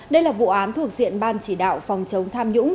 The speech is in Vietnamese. đây là vụ án thuộc diện ban chỉ đạo phòng chống tham nhũng